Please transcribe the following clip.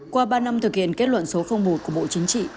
qua ba năm thực hiện kết luận số một của bộ chính trị